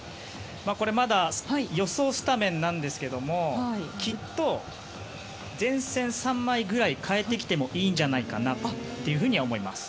これまだ予想スタメンなんですけどきっと前線３枚ぐらい変えてきてもいいんじゃないかなと思います。